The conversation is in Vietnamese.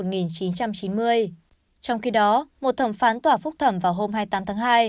trong khi đó một thẩm phán tòa phúc thẩm vào hôm hai mươi tám tháng hai